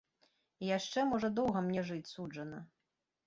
І яшчэ можа доўга мне жыць суджана.